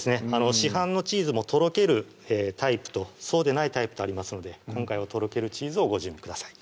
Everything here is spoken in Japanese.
市販のチーズもとろけるタイプとそうでないタイプとありますので今回はとろけるチーズをご準備ください